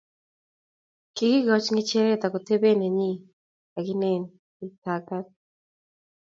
kiikochi ng'echeret ak kotebe nenyin ak inen.ii tagat!